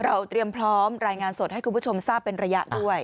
เตรียมพร้อมรายงานสดให้คุณผู้ชมทราบเป็นระยะด้วย